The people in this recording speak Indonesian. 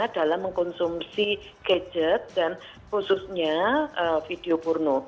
dalam mengkonsumsi gadget dan khususnya video porno